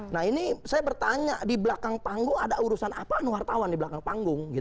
nah ini saya bertanya di belakang panggung ada urusan apa wartawan di belakang panggung